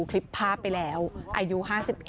คริปภาพไปแล้วอยู่๕๑